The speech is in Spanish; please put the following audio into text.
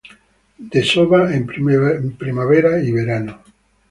Desova en primavera y verano.